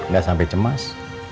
gak sampai cemas